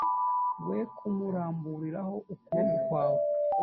we kumuramburaho ukuboko kwawe